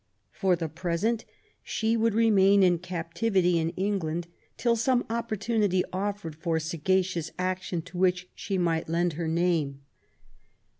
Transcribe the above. For the present, she would remain in captivity in England, till some opportunity offered for sagacious action to which she might lend her name.